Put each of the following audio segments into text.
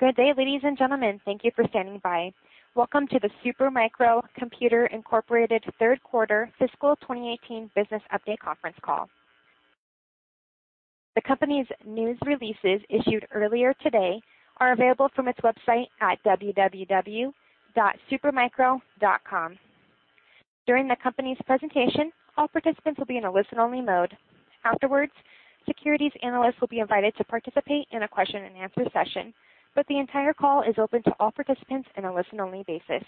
Good day, ladies and gentlemen. Thank you for standing by. Welcome to the Super Micro Computer, Inc. third quarter fiscal 2018 business update conference call. The company's news releases issued earlier today are available from its website at www.supermicro.com. During the company's presentation, all participants will be in a listen-only mode. Afterwards, securities analysts will be invited to participate in a question and answer session, but the entire call is open to all participants in a listen-only basis.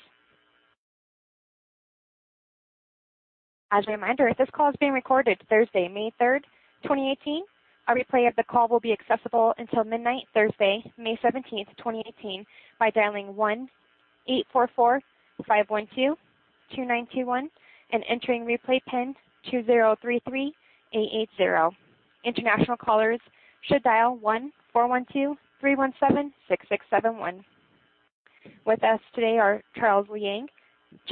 As a reminder, this call is being recorded Thursday, May 3rd, 2018. A replay of the call will be accessible until midnight, Thursday, May 17th, 2018 by dialing 1-844-512-2921 and entering replay pin 2,033,880. International callers should dial 1-412-317-6671. With us today are Charles Liang,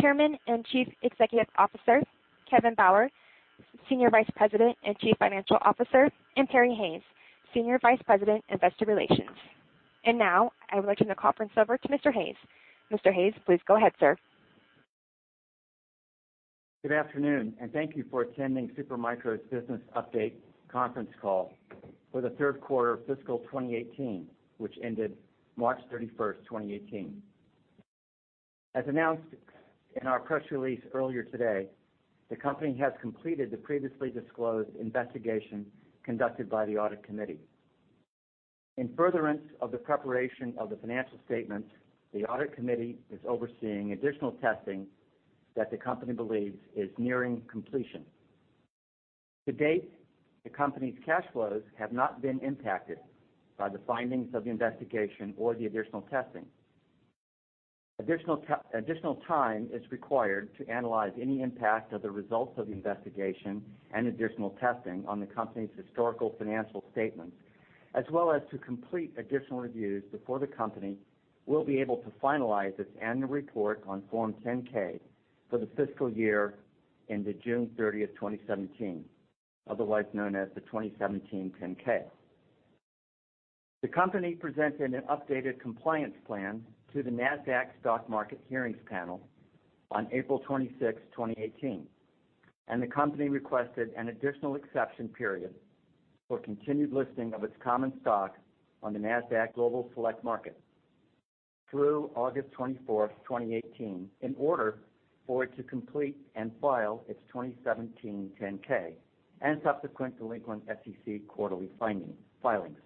Chairman and Chief Executive Officer, Kevin Bauer, Senior Vice President and Chief Financial Officer, and Perry Hayes, Senior Vice President, Investor Relations. Now I would like to turn the conference over to Mr. Hayes. Mr. Hayes, please go ahead, sir. Good afternoon, and thank you for attending Supermicro's business update conference call for the third quarter of fiscal 2018, which ended March 31st, 2018. As announced in our press release earlier today, the company has completed the previously disclosed investigation conducted by the audit committee. In furtherance of the preparation of the financial statements, the audit committee is overseeing additional testing that the company believes is nearing completion. To date, the company's cash flows have not been impacted by the findings of the investigation or the additional testing. Additional time is required to analyze any impact of the results of the investigation and additional testing on the company's historical financial statements, as well as to complete additional reviews before the company will be able to finalize its annual report on Form 10-K for the fiscal year ended June 30th, 2017, otherwise known as the 2017 10-K. The company presented an updated compliance plan to the Nasdaq Hearings Panel on April 26th, 2018. The company requested an additional exception period for continued listing of its common stock on the Nasdaq Global Select Market through August 24th, 2018, in order for it to complete and file its 2017 10-K and subsequent delinquent SEC quarterly filings.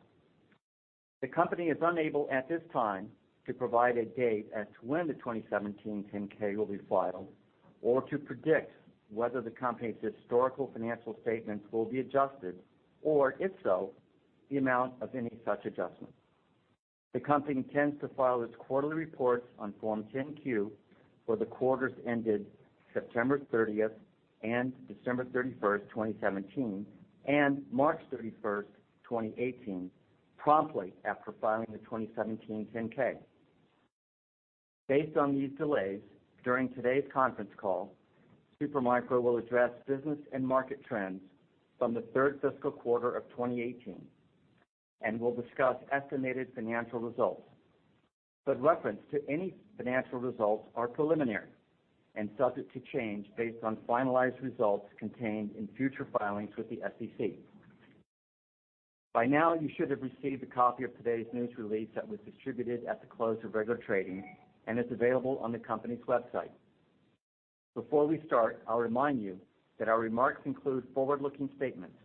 The company is unable, at this time, to provide a date as to when the 2017 10-K will be filed or to predict whether the company's historical financial statements will be adjusted, or if so, the amount of any such adjustments. The company intends to file its quarterly reports on Form 10-Q for the quarters ended September 30th and December 31st, 2017, March 31st, 2018, promptly after filing the 2017 10-K. Based on these delays, during today's conference call, Super Micro will address business and market trends from the third fiscal quarter of 2018 and will discuss estimated financial results, but reference to any financial results are preliminary and subject to change based on finalized results contained in future filings with the SEC. By now, you should have received a copy of today's news release that was distributed at the close of regular trading and is available on the company's website. Before we start, I'll remind you that our remarks include forward-looking statements.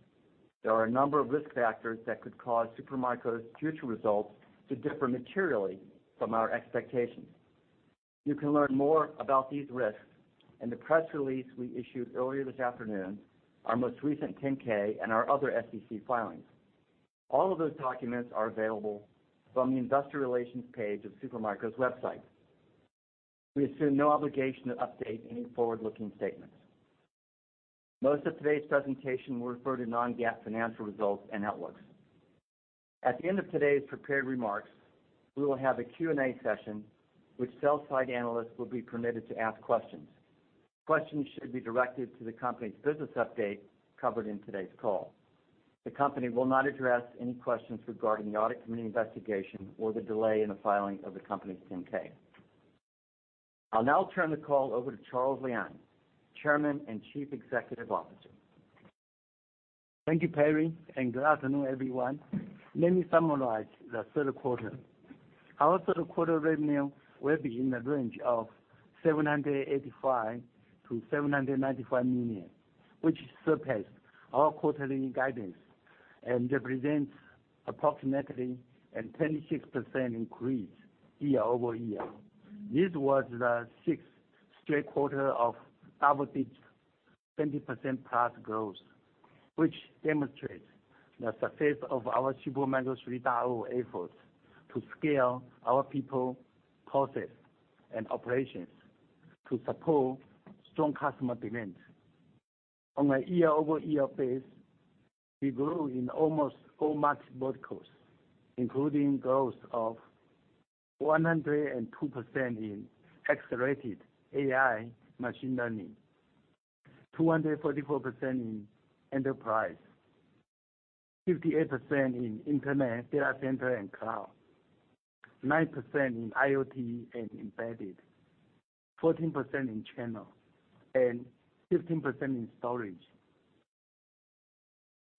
There are a number of risk factors that could cause Super Micro's future results to differ materially from our expectations. You can learn more about these risks in the press release we issued earlier this afternoon, our most recent 10-K, and our other SEC filings. All of those documents are available from the investor relations page of Super Micro's website. We assume no obligation to update any forward-looking statements. Most of today's presentation will refer to non-GAAP financial results and outlooks. At the end of today's prepared remarks, we will have a Q&A session, which sell-side analysts will be permitted to ask questions. Questions should be directed to the company's business update covered in today's call. The company will not address any questions regarding the audit committee investigation or the delay in the filing of the company's 10-K. I'll now turn the call over to Charles Liang, Chairman and Chief Executive Officer. Thank you, Perry, and good afternoon, everyone. Let me summarize the third quarter. Our third quarter revenue will be in the range of $785 million-$795 million, which surpassed our quarterly guidance and represents approximately a 26% increase year-over-year. This was the sixth straight quarter of double-digit, 20%+ growth, which demonstrates the success of our Super Micro 3.0 efforts to scale our people, process, and operations to support strong customer demand. On a year-over-year base, we grew in almost all market verticals, including growth of 102% in accelerated AI machine learning 244% in enterprise, 58% in internet data center and cloud, 9% in IoT and embedded, 14% in channel, and 15% in storage.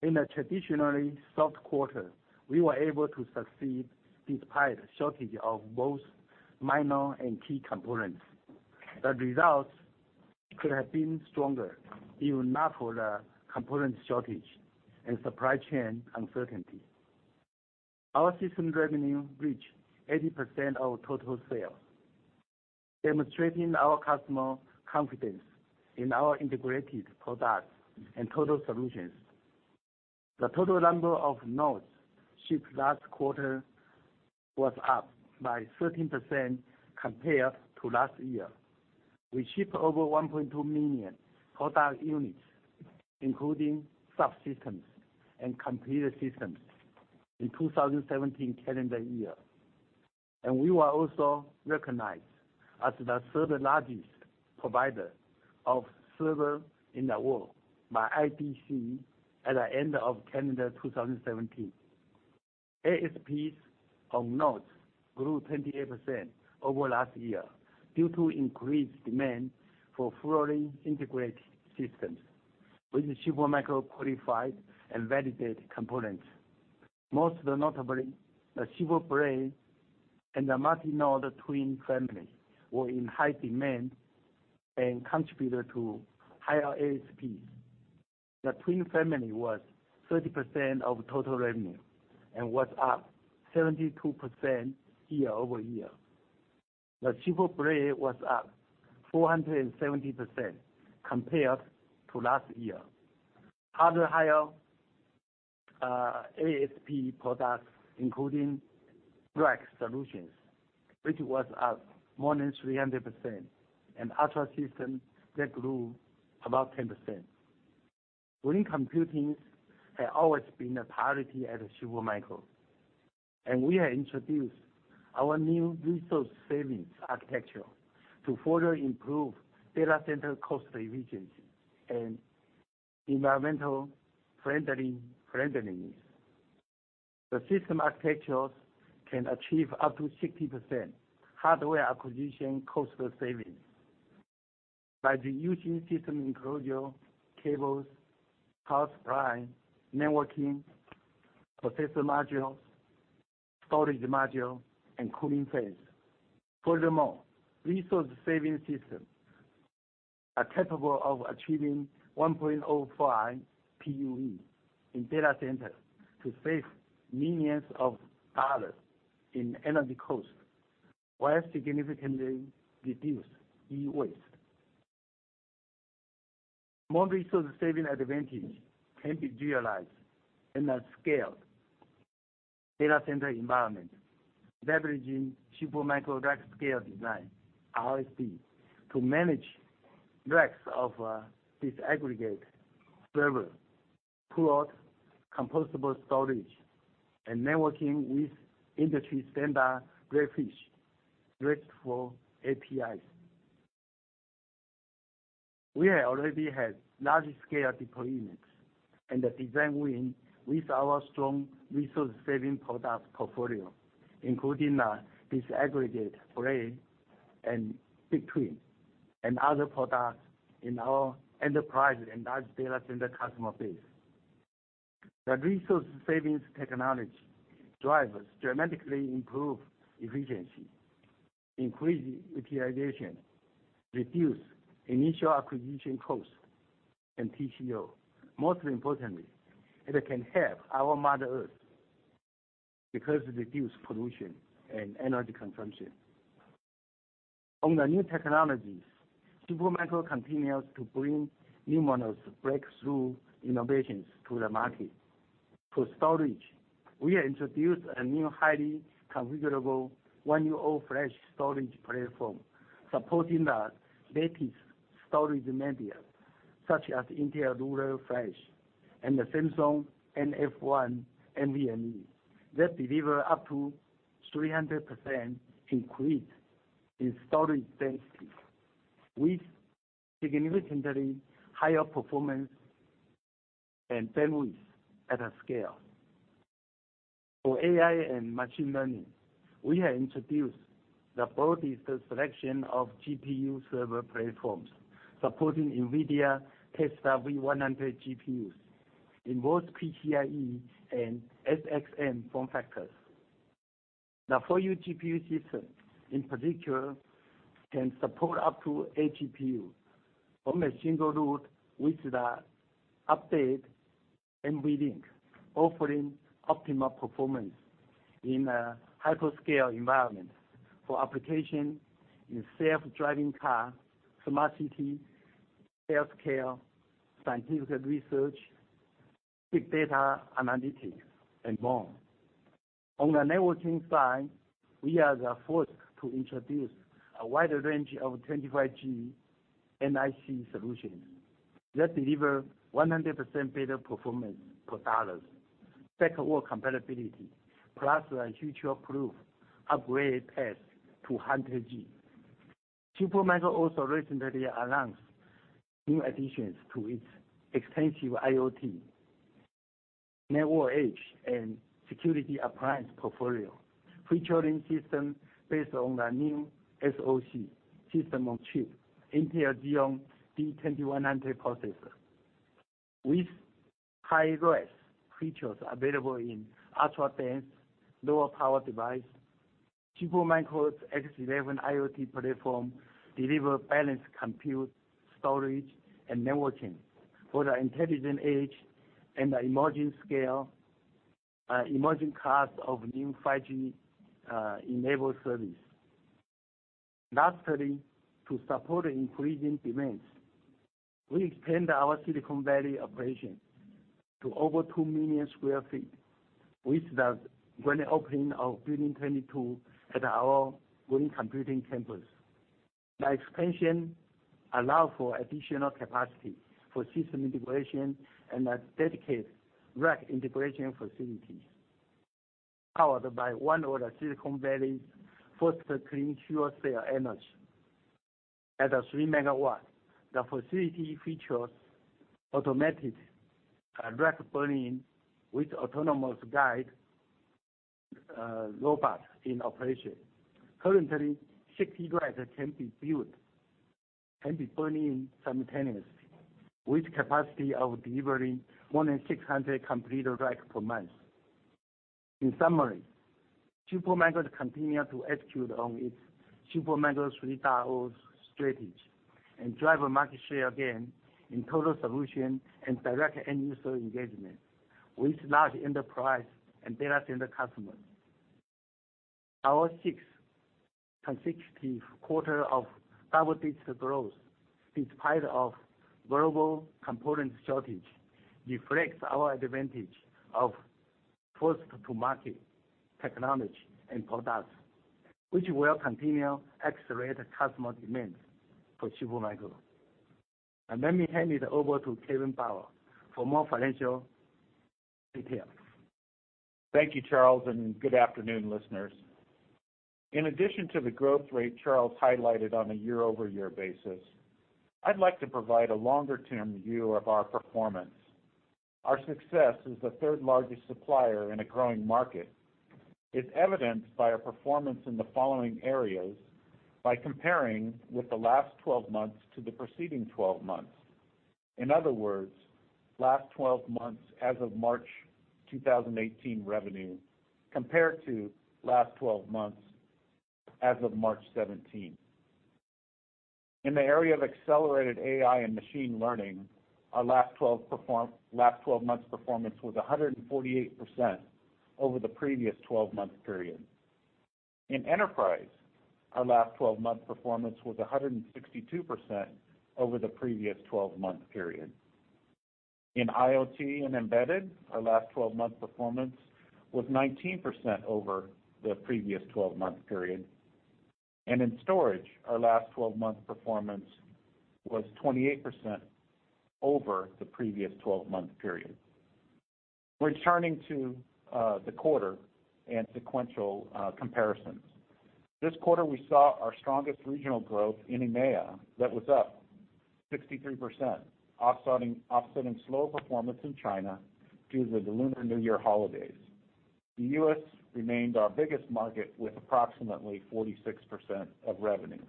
In a traditionally soft quarter, we were able to succeed despite a shortage of both minor and key components. The results could have been stronger if not for the component shortage and supply chain uncertainty. Our system revenue reached 80% of total sales, demonstrating our customer confidence in our integrated products and total solutions. The total number of nodes shipped last quarter was up by 13% compared to last year. We shipped over 1.2 million product units, including subsystems and computer systems in 2017 calendar year. We were also recognized as the third largest provider of server in the world by IDC at the end of calendar 2017. ASPs on nodes grew 28% over last year due to increased demand for fully integrated systems with Super Micro qualified and validated components. Most notably, the SuperBlade and the multi-node Twin family were in high demand and contributed to higher ASPs. The Twin family was 30% of total revenue and was up 72% year-over-year. The SuperBlade was up 470% compared to last year. Other higher ASP products including rack solutions, which was up more than 300%, and Ultra System that grew about 10%. Green Computing has always been a priority at Super Micro, and we have introduced our new resource savings architecture to further improve data center cost efficiency and environmental friendliness. The system architectures can achieve up to 60% hardware acquisition cost savings by reducing system enclosure, cables, power supply, networking, processor modules, storage module, and cooling fans. Furthermore, resource saving systems are capable of achieving 1.05 PUE in data centers to save millions of dollars in energy costs, while significantly reduce e-waste. More resource saving advantage can be realized in a scaled data center environment, leveraging Supermicro Rack Scale Design, RSD, to manage racks of disaggregate server, throughout composable storage, and networking with industry standard graphics, RESTful APIs. We have already had large scale deployments and the design win with our strong resource saving product portfolio, including the disaggregate SuperBlade and BigTwin and other products in our enterprise and large data center customer base. The resource savings technology drives dramatically improve efficiency, increase utilization, reduce initial acquisition costs, and TCO. Most importantly, it can help our mother Earth because it reduce pollution and energy consumption. On the new technologies, Super Micro continues to bring numerous breakthrough innovations to the market. For storage, we have introduced a new highly configurable 1U All Flash storage platform supporting the latest storage media, such as Intel Ruler and the Samsung NF1 NVMe, that deliver up to 300% increase in storage density with significantly higher performance and bandwidth at a scale. For AI and machine learning, we have introduced the broadest selection of GPU server platforms supporting NVIDIA Tesla V100 GPUs in both PCIe and SXM form factors. The 4U GPU system, in particular, can support up to 8 GPU from a single root with the update NVLink, offering optimal performance in a hyperscale environment for application in self-driving car, smart city, healthcare, scientific research, big data analytics, and more. On the networking side, we are the first to introduce a wide range of 25G NIC solutions that deliver 100% better performance per dollar. Backwards compatibility, plus a future-proof upgrade path to 100G. Super Micro also recently announced new additions to its extensive IoT network edge and security appliance portfolio, featuring systems based on the new SoC, System on a Chip, Intel Xeon D-2100 processor. With high-res features available in ultra-dense, lower power device, Super Micro's X11 IoT platform deliver balanced compute, storage, and networking for the intelligent edge and the emerging scale-- emerging cost of new 5G-enabled service. Lastly, to support increasing demands, we expand our Silicon Valley operation to over 2 million sq ft with the grand opening of Building 22 at our Green Computing Park. The expansion allow for additional capacity for system integration and a dedicated rack integration facility, powered by one of the Silicon Valley's first clean fuel cell energy. At 3 MW, the facility features automatic rack burn-in with autonomous guide robots in operation. Currently, 60 racks can be burn-in simultaneously, with capacity of delivering more than 600 complete racks per month. In summary, Supermicro continues to execute on its Supermicro 3.0 strategy and drive a market share gain in total solution and direct end user engagement with large enterprise and data center customers. Our sixth consecutive quarter of double-digit growth despite global component shortage reflects our advantage of first-to-market technology and products, which will continue to accelerate customer demand for Supermicro. Let me hand it over to Kevin Bauer for more financial details. Thank you, Charles, and good afternoon, listeners. In addition to the growth rate Charles highlighted on a year-over-year basis, I'd like to provide a longer-term view of our performance. Our success as the third largest supplier in a growing market is evidenced by our performance in the following areas by comparing with the last 12 months to the preceding 12 months. In other words, last 12 months as of March 2018 revenue compared to last 12 months as of March 2017. In the area of accelerated AI and machine learning, our last 12 months performance was 148% over the previous 12-month period. In enterprise, our last 12-month performance was 162% over the previous 12-month period. In IoT and embedded, our last 12-month performance was 19% over the previous 12-month period. In storage, our last 12-month performance was 28% over the previous 12-month period. Returning to the quarter and sequential comparisons. This quarter, we saw our strongest regional growth in EMEA, that was up 63%, offsetting slow performance in China due to the Lunar New Year holidays. The U.S. remained our biggest market, with approximately 46% of revenues.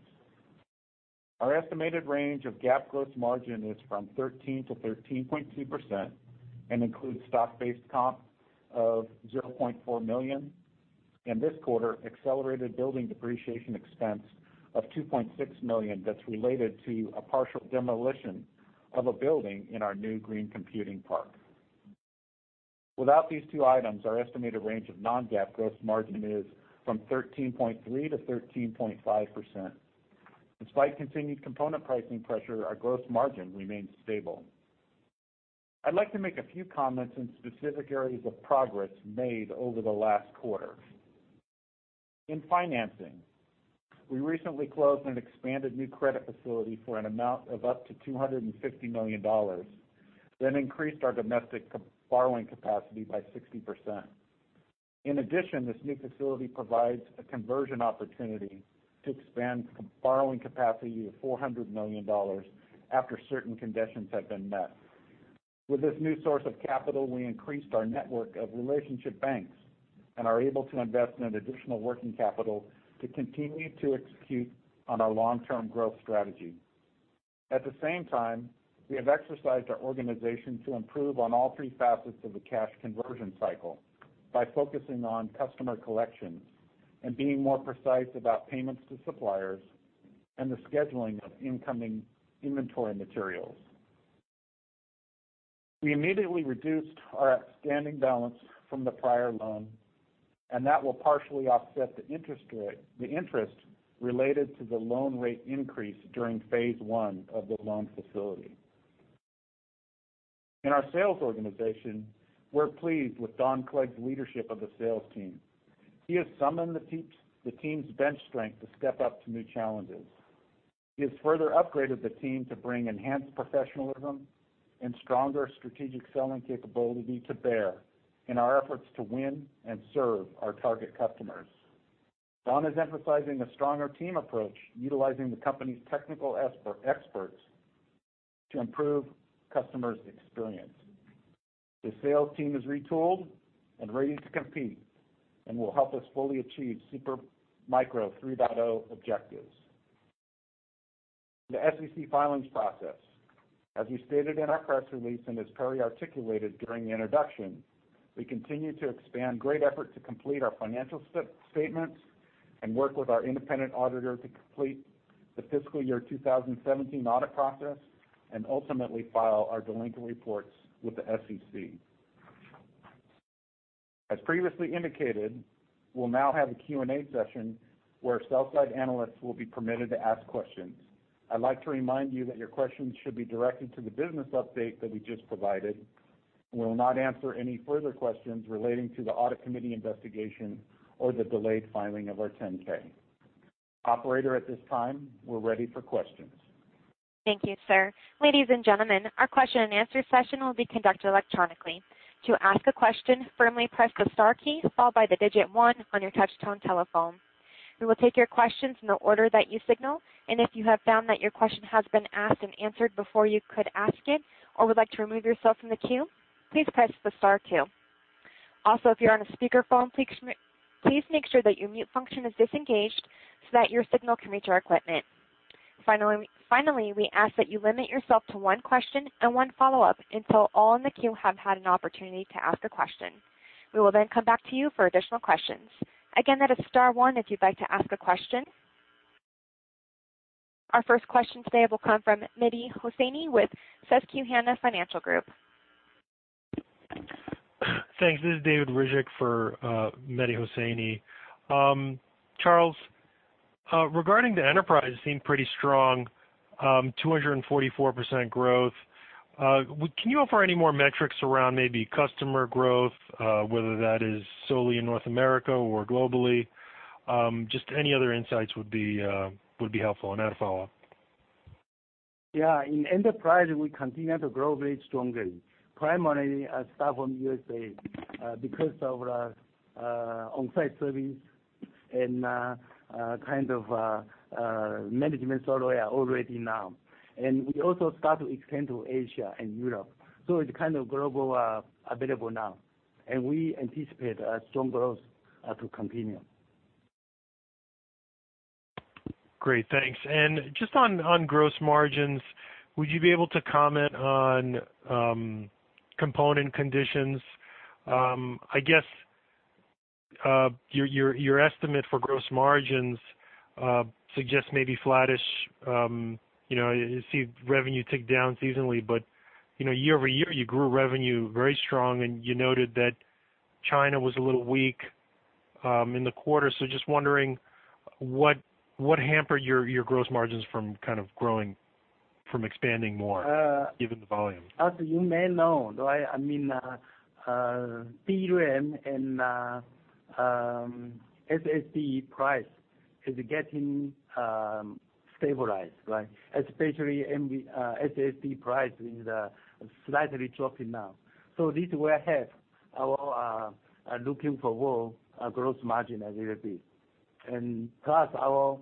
Our estimated range of GAAP gross margin is from 13%-13.2% and includes stock-based comp of $0.4 million and this quarter, accelerated building depreciation expense of $2.6 million that's related to a partial demolition of a building in our new Green Computing Park. Without these two items, our estimated range of non-GAAP gross margin is from 13.3%-13.5%. Despite continued component pricing pressure, our gross margin remains stable. I'd like to make a few comments in specific areas of progress made over the last quarter. In financing, we recently closed an expanded new credit facility for an amount of up to $250 million. That increased our domestic borrowing capacity by 60%. In addition, this new facility provides a conversion opportunity to expand borrowing capacity to $400 million after certain conditions have been met. With this new source of capital, we increased our network of relationship banks and are able to invest in additional working capital to continue to execute on our long-term growth strategy. At the same time, we have exercised our organization to improve on all three facets of the cash conversion cycle by focusing on customer collections and being more precise about payments to suppliers and the scheduling of incoming inventory materials. That will partially offset the interest related to the loan rate increase during phase one of the loan facility. In our sales organization, we're pleased with Don Clegg's leadership of the sales team. He has summoned the team's bench strength to step up to new challenges. He has further upgraded the team to bring enhanced professionalism and stronger strategic selling capability to bear in our efforts to win and serve our target customers. Don is emphasizing a stronger team approach utilizing the company's technical experts to improve customers' experience. The sales team is retooled and ready to compete and will help us fully achieve Supermicro 3.0 objectives. The SEC filings process. As we stated in our press release, and as Perry articulated during the introduction, we continue to expand great effort to complete our financial statements and work with our independent auditor to complete the fiscal year 2017 audit process, and ultimately file our delinquent reports with the SEC. As previously indicated, we'll now have a Q&A session where sell-side analysts will be permitted to ask questions. I'd like to remind you that your questions should be directed to the business update that we just provided, and we will not answer any further questions relating to the audit committee investigation or the delayed filing of our 10-K. Operator, at this time, we're ready for questions. Thank you, sir. Ladies and gentlemen, our question and answer session will be conducted electronically. To ask a question, firmly press the star key followed by the digit 1 on your touch tone telephone. We will take your questions in the order that you signal, and if you have found that your question has been asked and answered before you could ask it or would like to remove yourself from the queue, please press the star two. Also, if you're on a speakerphone, please make sure that your mute function is disengaged so that your signal can reach our equipment. Finally, we ask that you limit yourself to one question and one follow-up until all in the queue have had an opportunity to ask a question. We will then come back to you for additional questions. Again, that is star one if you'd like to ask a question. Our first question today will come from Mehdi Hosseini with Susquehanna Financial Group. Thanks. This is David Rijik for Mehdi Hosseini. Charles, regarding the enterprise, seem pretty strong, 244% growth. Can you offer any more metrics around maybe customer growth, whether that is solely in North America or globally? Just any other insights would be helpful. I have a follow-up. Yeah. In enterprise, we continue to grow very strongly, primarily start from USA, because of our on-site service and management software already now. We also start to extend to Asia and Europe. It's kind of global available now, and we anticipate a strong growth to continue. Great. Thanks. Just on gross margins, would you be able to comment on component conditions? I guess, your estimate for gross margins suggests maybe flattish. You see revenue tick down seasonally, but year-over-year, you grew revenue very strong, and you noted that China was a little weak in the quarter. Just wondering what hampered your gross margins from expanding more, given the volume? As you may know, I mean, DRAM and SSD price is getting stabilized. Especially SSD price is slightly dropping now. This will help our looking for growth gross margin as it be. Plus our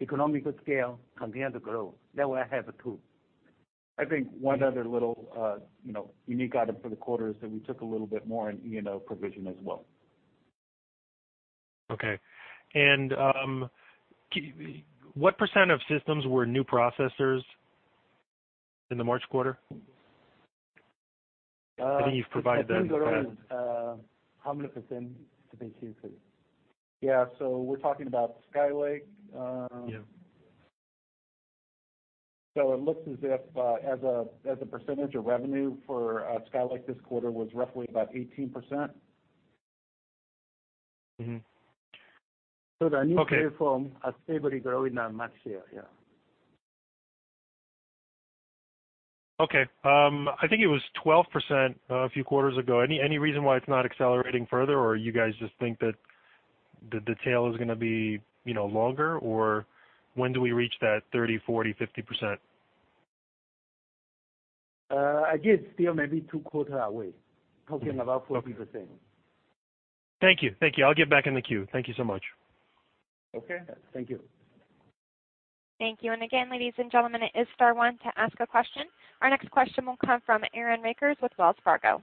economical scale continue to grow. That will help too. I think one other little unique item for the quarter is that we took a little bit more in E&O provision as well. Okay. What % of systems were new processors in the March quarter? I think you've provided that in the past. How many % did they change to? Yeah. We're talking about Skylake. Yeah. It looks as if, as a percentage of revenue for Skylake, this quarter was roughly about 18%. Mm-hmm. Okay. The new platform are steadily growing, yeah. Okay. I think it was 12% a few quarters ago. Any reason why it's not accelerating further, or you guys just think that the tail is going to be longer, or when do we reach that 30%, 40%, 50%? I guess still maybe two quarter away. Talking about 40%. Okay. Thank you. I'll get back in the queue. Thank you so much. Okay. Thank you. Thank you. Again, ladies and gentlemen, it is star one to ask a question. Our next question will come from Aaron Rakers with Wells Fargo.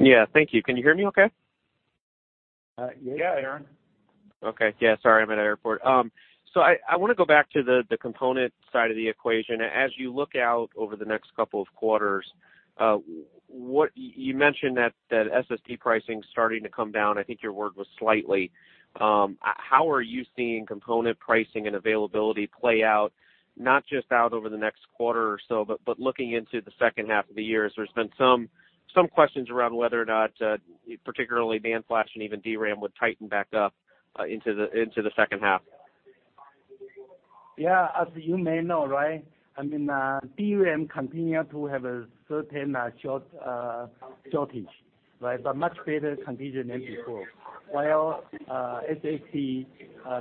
Yeah. Thank you. Can you hear me okay? Yes. Yeah, Aaron. Okay. Yeah, sorry, I'm at an airport. I want to go back to the component side of the equation. As you look out over the next couple of quarters, you mentioned that SSD pricing is starting to come down. I think your word was slightly. How are you seeing component pricing and availability play out, not just out over the next quarter or so, but looking into the second half of the year, as there's been some questions around whether or not, particularly NAND flash and even DRAM would tighten back up into the second half? Yeah. As you may know. I mean DRAM continue to have a certain shortage. Much better condition than before. While SSD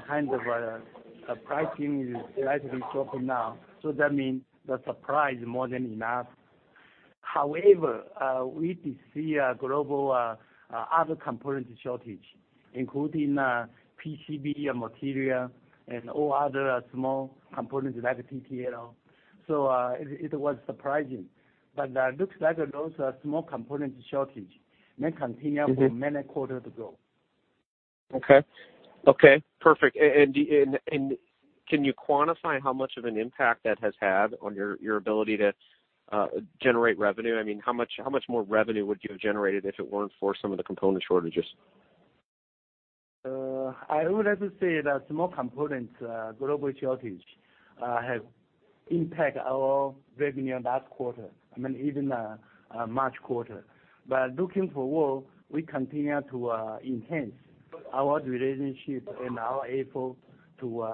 kind of pricing is slightly dropping now, that means the supply is more than enough. However, we did see a global other components shortage, including PCB material and all other small components like MLCC. It was surprising, but looks like those small components shortage may continue for many quarters to go. Okay. Perfect. Can you quantify how much of an impact that has had on your ability to generate revenue? How much more revenue would you have generated if it weren't for some of the component shortages? I would have to say that small components global shortage have impact our revenue last quarter. I mean, even March quarter. Looking forward, we continue to enhance our relationship and are able to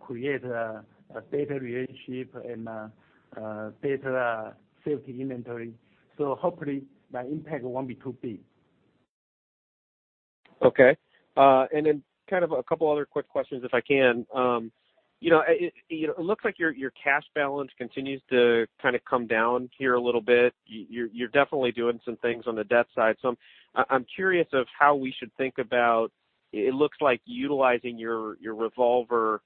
create a better relationship and better safety inventory. Hopefully the impact won't be too big. Okay. A couple other quick questions, if I can. It looks like your cash balance continues to come down here a little bit. You're definitely doing some things on the debt side. I'm curious of how we should think about, it looks like utilizing your revolver,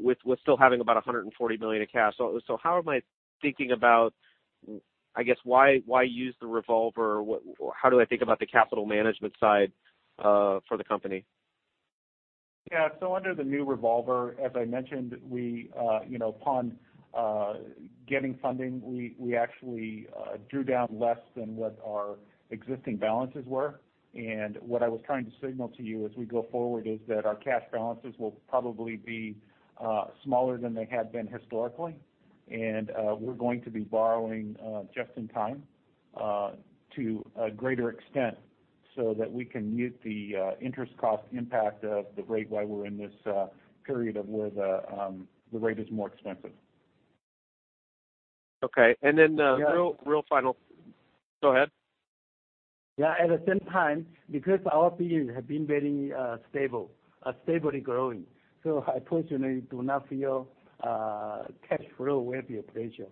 with still having about $140 million in cash. How am I thinking about, I guess, why use the revolver? How do I think about the capital management side for the company? Yeah. Under the new revolver, as I mentioned, we upon getting funding, we actually drew down less than what our existing balances were. What I was trying to signal to you as we go forward is that our cash balances will probably be smaller than they had been historically, and we're going to be borrowing just in time, to a greater extent so that we can mute the interest cost impact of the rate while we're in this period of where the rate is more expensive. Okay. Go ahead. Yeah. At the same time, our business have been very stable, stably growing, I personally do not feel cash flow will be a pressure.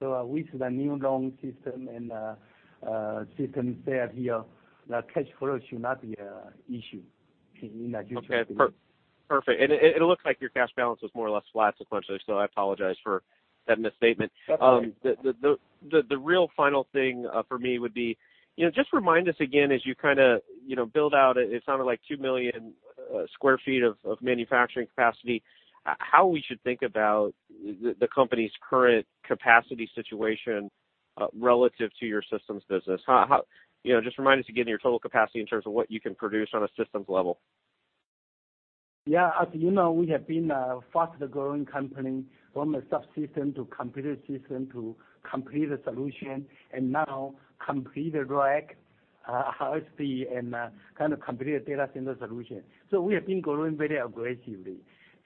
With the new loan system and system set here, the cash flow should not be an issue in the future. Okay. Perfect. It looks like your cash balance was more or less flat sequentially, I apologize for that misstatement. That's all right. The real final thing for me would be, just remind us again as you build out, it sounded like 2 million sq ft of manufacturing capacity, how we should think about the company's current capacity situation relative to your systems business. Just remind us again your total capacity in terms of what you can produce on a systems level. Yeah. As you know, we have been a faster-growing company from a subsystem to computer system to complete solution and now complete rack, HCI, and kind of complete data center solution. We have been growing very aggressively,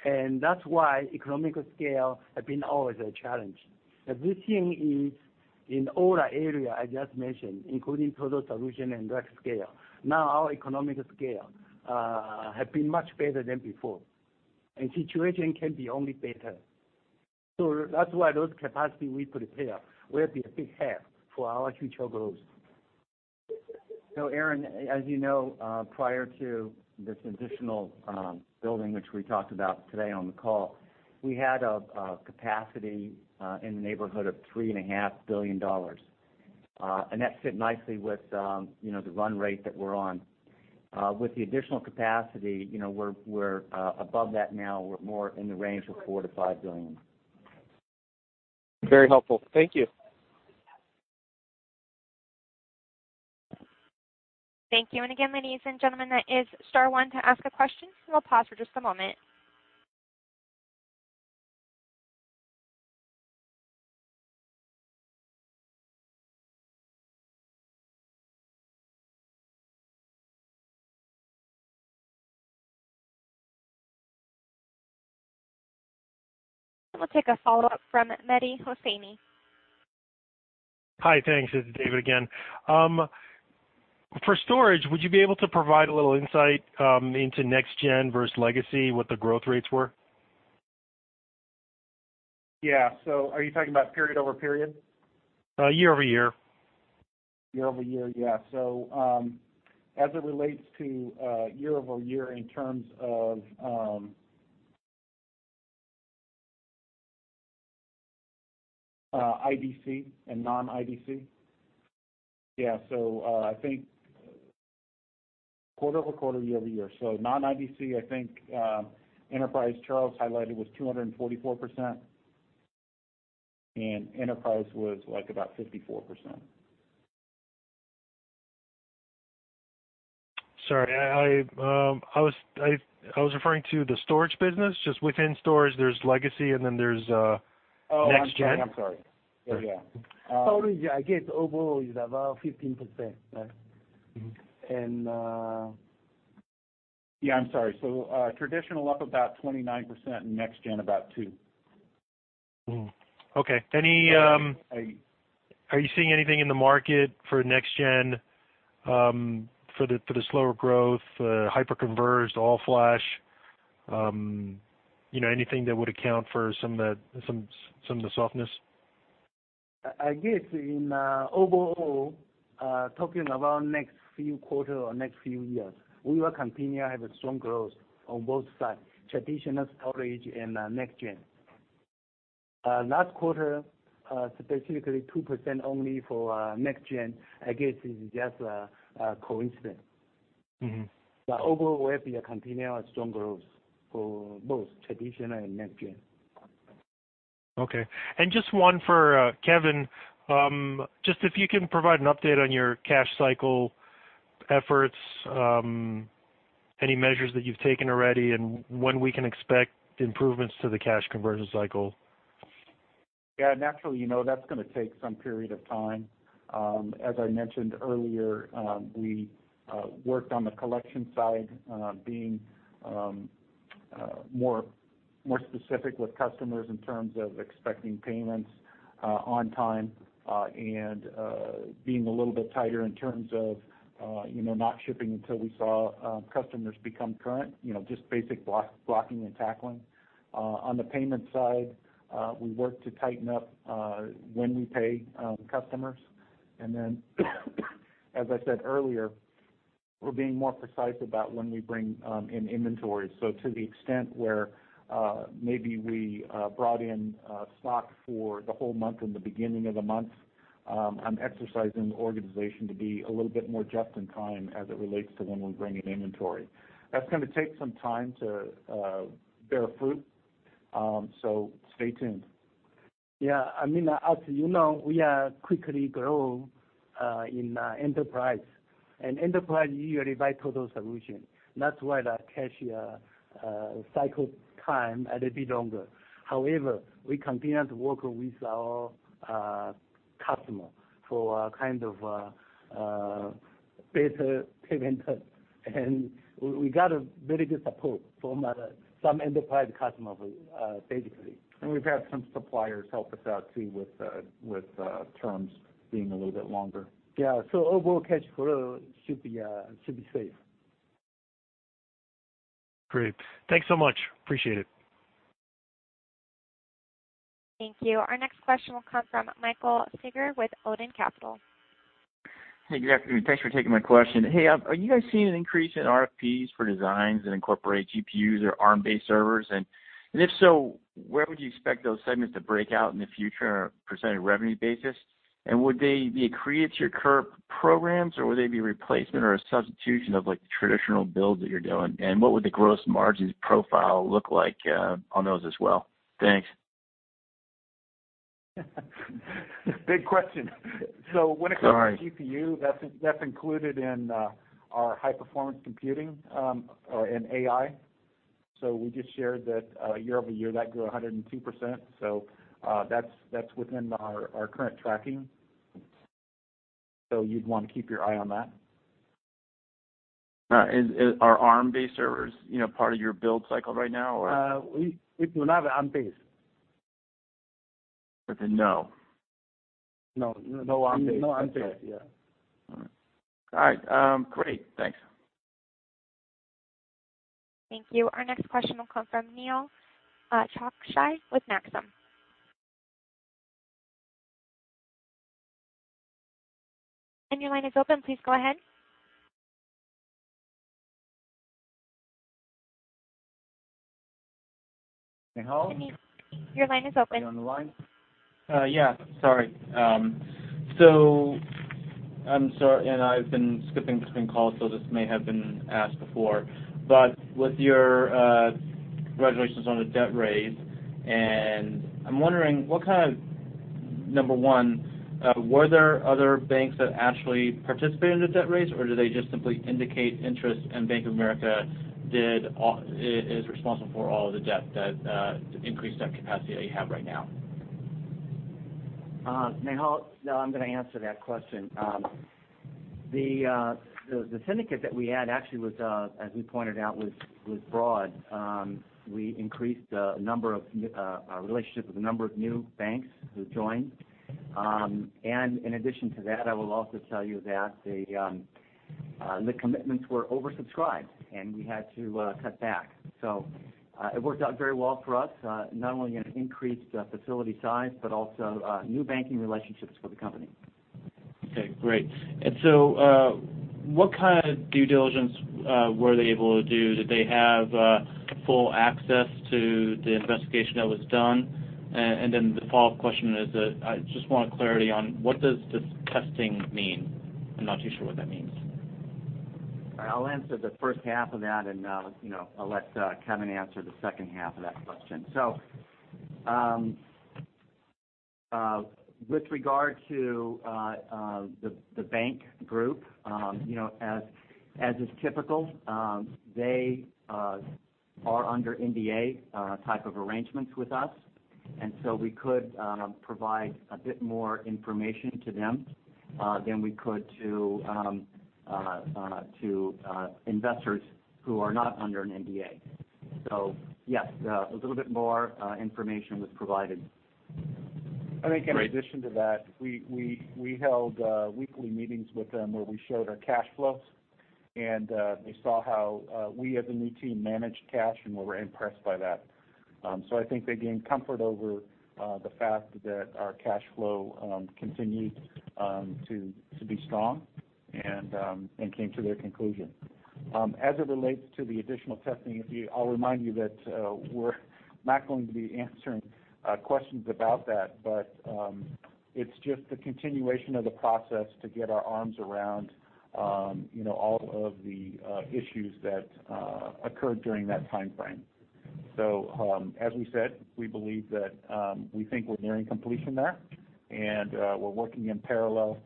and that's why economical scale has been always a challenge. Good thing is in all area I just mentioned, including total solution and rack scale, now our economical scale have been much better than before. Situation can be only better. That's why those capacity we prepare will be a big help for our future growth. Aaron, as you know, prior to this additional building, which we talked about today on the call, we had a capacity in the neighborhood of $3.5 billion. That fit nicely with the run rate that we're on. With the additional capacity, we're above that now. We're more in the range of $4 billion-$5 billion. Very helpful. Thank you. Thank you. Again, ladies and gentlemen, that is star one to ask a question, we'll pause for just a moment. We'll take a follow-up from Mehdi Hosseini. Hi. Thanks. This is David again. For storage, would you be able to provide a little insight into next gen versus legacy, what the growth rates were? Yeah. Are you talking about period-over-period? Year-over-year. Year-over-year. As it relates to year-over-year in terms of IDC and non-IDC. I think quarter-over-quarter, year-over-year. Non-IDC, I think Enterprise, Charles highlighted, was 244%, and Enterprise was about 54%. Sorry, I was referring to the storage business, just within storage, there's legacy and then there's next-gen. I'm sorry. Storage, I guess overall is about 15%. Right? I'm sorry. Traditional up about 29% and next gen about two. Mm-hmm. Okay. Are you seeing anything in the market for next gen, for the slower growth, hyper-converged, all flash, anything that would account for some of the softness? I guess in overall, talking about next few quarter or next few years, we will continue to have a strong growth on both sides, traditional storage and next gen. Last quarter, specifically 2% only for next gen, I guess is just a coincidence. Overall, we continue a strong growth for both traditional and next gen. Okay. Just one for Kevin, just if you can provide an update on your cash cycle efforts, any measures that you've taken already, and when we can expect improvements to the cash conversion cycle. Yeah. Naturally, that's going to take some period of time. As I mentioned earlier, we worked on the collection side, being more specific with customers in terms of expecting payments on time, and being a little bit tighter in terms of not shipping until we saw customers become current. Just basic blocking and tackling. On the payment side, we worked to tighten up when we pay customers. Then as I said earlier, we're being more precise about when we bring in inventory. To the extent where maybe we brought in stock for the whole month in the beginning of the month, I'm exercising the organization to be a little bit more just in time as it relates to when we bring in inventory. That's going to take some time to bear fruit, stay tuned. Yeah. As you know, we are quickly grow in enterprise usually buy total solution. That's why the cash cycle time a little bit longer. However, we continue to work with our customer for a kind of a better payment term, we got a very good support from some enterprise customers, basically. We've had some suppliers help us out too with terms being a little bit longer. Yeah. Overall cash flow should be safe. Great. Thanks so much. Appreciate it. Thank you. Our next question will come from Michael Staiger with Odeon Capital Group. Hey, good afternoon. Thanks for taking my question. Hey, are you guys seeing an increase in RFPs for designs that incorporate GPUs or Arm-based servers? If so, where would you expect those segments to break out in the future on a % revenue basis? Would they be accretive to your current programs, or would they be a replacement or a substitution of the traditional builds that you're doing? What would the gross margins profile look like on those as well? Thanks. Big question. Sorry. When it comes to GPU, that's included in our high-performance computing, or in AI. We just shared that year-over-year, that grew 102%. That's within our current tracking. You'd want to keep your eye on that. Are ARM-based servers part of your build cycle right now, or? We do not have ARM-based. That's a no. No. No Arm-based. No Arm-based. Yeah. All right. Great. Thanks. Thank you. Our next question will come from Nehal Chokshi with Maxim. Your line is open. Please go ahead. Nehal? Your line is open. You on the line? Yeah. Sorry. I've been skipping between calls, so this may have been asked before, with your congratulations on the debt raise, I'm wondering what kind of, number 1, were there other banks that actually participated in the debt raise, or do they just simply indicate interest and Bank of America is responsible for all the debt that increased that capacity that you have right now? No, I'm going to answer that question. The syndicate that we had actually was, as we pointed out, was broad. We increased our relationship with a number of new banks who joined. In addition to that, I will also tell you that the commitments were oversubscribed, and we had to cut back. It worked out very well for us, not only in an increased facility size, but also new banking relationships for the company. Okay, great. What kind of due diligence were they able to do? Did they have full access to the investigation that was done? The follow-up question is, I just want clarity on what does this testing mean? I'm not too sure what that means. I'll answer the first half of that and I'll let Kevin answer the second half of that question. With regard to the bank group, as is typical, they are under NDA type of arrangements with us. We could provide a bit more information to them, than we could to investors who are not under an NDA. Yes, a little bit more information was provided. I think in addition to that, we held weekly meetings with them where we showed our cash flows, and they saw how we, as a new team, managed cash, and were impressed by that. I think they gained comfort over the fact that our cash flow continued to be strong and came to their conclusion. As it relates to the additional testing, I'll remind you that we're not going to be answering questions about that. It's just the continuation of the process to get our arms around all of the issues that occurred during that timeframe. As we said, we think we're nearing completion there, and we're working in parallel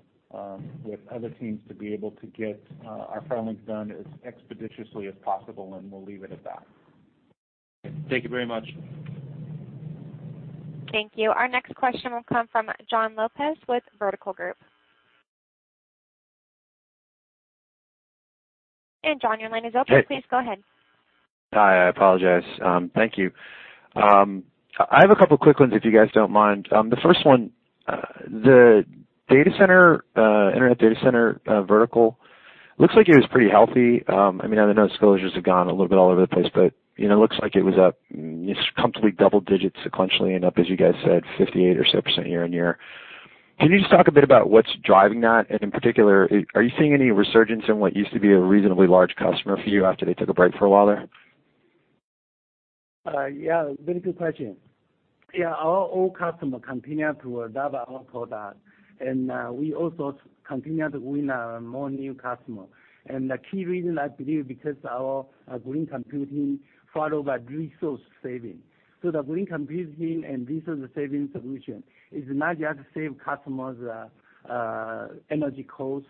with other teams to be able to get our filings done as expeditiously as possible, and we'll leave it at that. Thank you very much. Thank you. Our next question will come from Jon Lopez with Vertical Group. Jon, your line is open. Please go ahead. Hi, I apologize. Thank you. I have a couple quick ones if you guys don't mind. The first one, the internet data center vertical looks like it was pretty healthy. I know the scale has just gone a little bit all over the place, but it looks like it was up comfortably double-digits sequentially and up, as you guys said, 58 or 6% year-on-year. Can you just talk a bit about what's driving that? In particular, are you seeing any resurgence in what used to be a reasonably large customer for you after they took a break for a while there? Very good question. Our old customer continue to adopt our product. We also continue to win more new customer. The key reason, I believe, because our Green Computing followed by resource saving. The Green Computing and resource saving solution is not just save customers energy cost,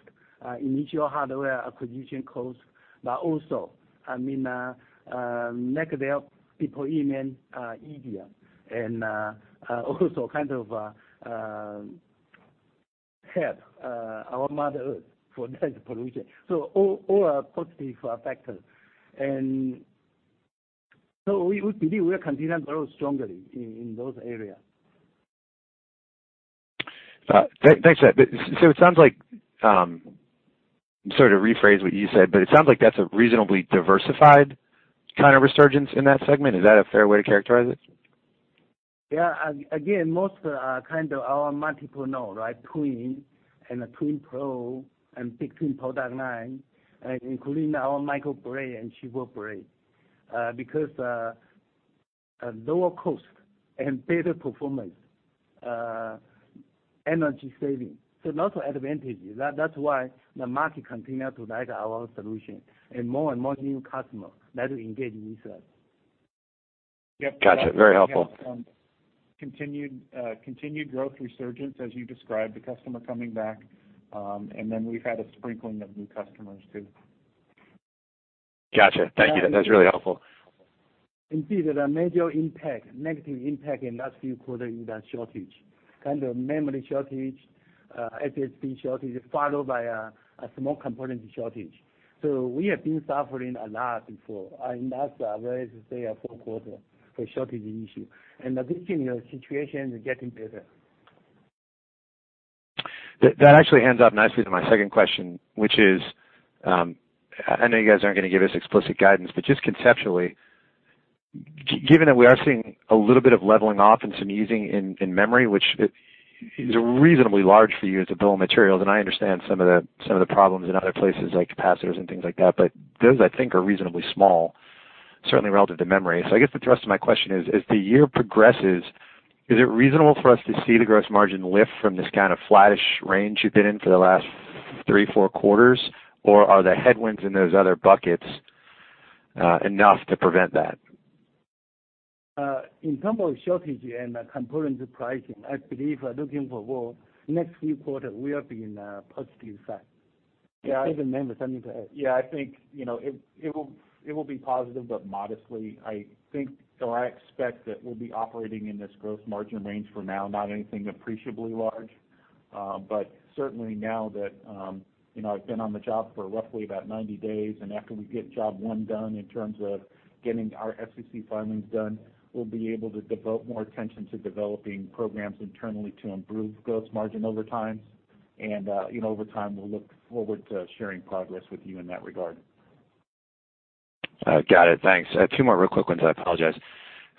initial hardware acquisition cost, but also make their deployment easier and also help our mother Earth for less pollution. All are positive factors. We believe we will continue to grow strongly in those areas. Thanks for that. Sorry to rephrase what you said, but it sounds like that's a reasonably diversified kind of resurgence in that segment. Is that a fair way to characterize it? Again, most are our multiple node, Twin and TwinPro and BigTwin product line, including our MicroBlade and SuperBlade, because lower cost and better performance, energy saving. Lots of advantages. That's why the market continue to like our solution, and more and more new customer that will engage with us. Got you. Very helpful. Continued growth resurgence as you described, the customer coming back. We've had a sprinkling of new customers, too. Got you. Thank you. That's really helpful. Indeed, there's a major impact, negative impact in last few quarter is the shortage, memory shortage, SSD shortage, followed by a small component shortage. We have been suffering a lot before, in last, I would say, four quarter for shortage issue. This year, situation is getting better. That actually ends up nicely to my second question, which is, I know you guys aren't going to give us explicit guidance, but just conceptually, given that we are seeing a little bit of leveling off and some easing in memory, which is reasonably large for you as a bill of materials, and I understand some of the problems in other places like capacitors and things like that, but those, I think, are reasonably small, certainly relative to memory. I guess the thrust of my question is, as the year progresses, is it reasonable for us to see the gross margin lift from this kind of flattish range you've been in for the last three, four quarters? Or are the headwinds in those other buckets enough to prevent that? In terms of shortage and component pricing, I believe, looking forward, next few quarters will be in a positive sign. Kevin, maybe something to add. Yeah, I think it will be positive, but modestly. I expect that we'll be operating in this gross margin range for now, not anything appreciably large. Certainly now that I've been on the job for roughly about 90 days, and after we get job one done in terms of getting our SEC filings done, we'll be able to devote more attention to developing programs internally to improve gross margin over time. Over time, we'll look forward to sharing progress with you in that regard. Got it. Thanks. Two more real quick ones. I apologize.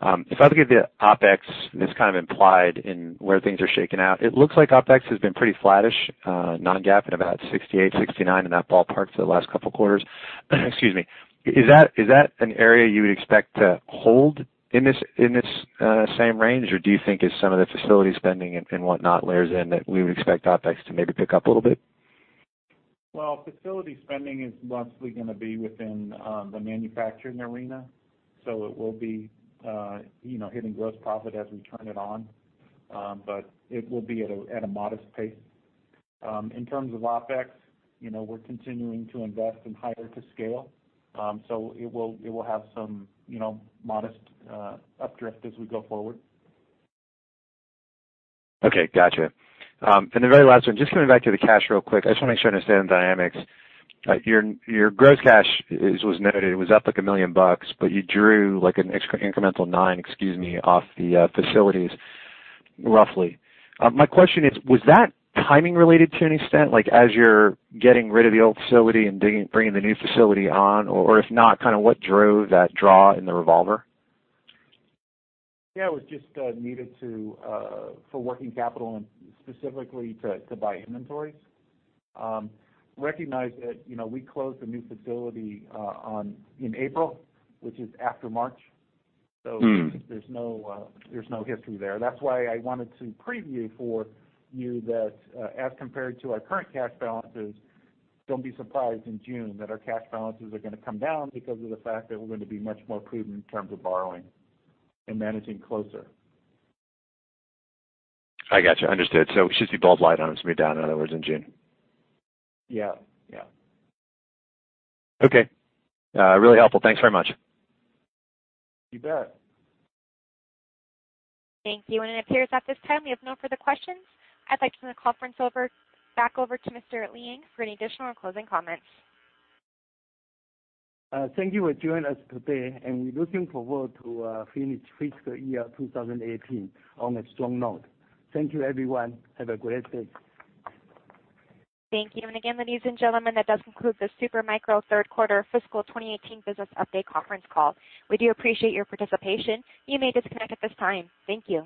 If I look at the OpEx, and it's kind of implied in where things are shaking out, it looks like OpEx has been pretty flattish, non-GAAP at about 68, 69, in that ballpark for the last couple of quarters. Excuse me. Is that an area you would expect to hold in this same range, or do you think as some of the facility spending and whatnot layers in that we would expect OpEx to maybe pick up a little bit? Well, facility spending is mostly going to be within the manufacturing arena. It will be hitting gross profit as we turn it on. It will be at a modest pace. In terms of OpEx, we're continuing to invest and hire to scale. It will have some modest updrift as we go forward. Okay, got you. The very last one, just coming back to the cash real quick. I just want to make sure I understand the dynamics. Your gross cash was noted. It was up, like, $1 million, but you drew an incremental $9 million off the facilities, roughly. My question is, was that timing related to any extent, as you are getting rid of the old facility and bringing the new facility on, or if not, what drove that draw in the revolver? It was just needed for working capital and specifically to buy inventories. Recognize that we closed the new facility in April, which is after March, so there is no history there. That is why I wanted to preview for you that, as compared to our current cash balances, don't be surprised in June that our cash balances are going to come down because of the fact that we are going to be much more prudent in terms of borrowing and managing closer. I got you. Understood. It should see [the bulb light on] and smooth down, in other words, in June. Yeah. Okay. Really helpful. Thanks very much. You bet. Thank you. It appears at this time we have no further questions. I'd like to turn the conference back over to Mr. Liang for any additional or closing comments. Thank you for joining us today. We're looking forward to finish fiscal year 2018 on a strong note. Thank you, everyone. Have a great day. Thank you. Again, ladies and gentlemen, that does conclude the Super Micro third quarter fiscal 2018 business update conference call. We do appreciate your participation. You may disconnect at this time. Thank you.